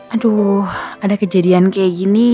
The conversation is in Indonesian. aduh ada kejadian kayak gini